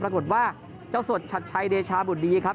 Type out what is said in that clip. ปรากฏว่าเจ้าสดชัดชัยเดชาบุตรดีครับ